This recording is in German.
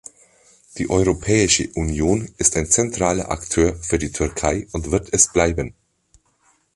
Die Europäische Union ist ein zentraler Akteur für die Türkei und wird es bleiben.